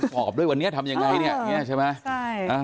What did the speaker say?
โกรธวันนี้ทำอย่างไรเนี่ยใช่ไหม